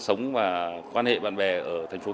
trong thời gian qua hay không